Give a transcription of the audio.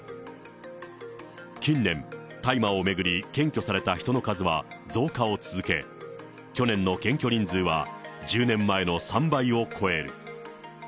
近年、大麻を巡り検挙された人の数は増加を続け、去年の検挙人数は１０年前の３倍を超える。